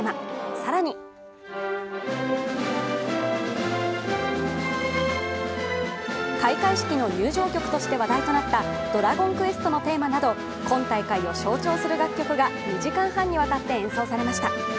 更に開会式の入場曲として話題となった「ドラゴンクエスト」のテーマなど今大会を象徴する楽曲が２時間半にわたって演奏されました。